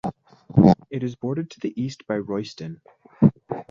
It is bordered to the east by Royston.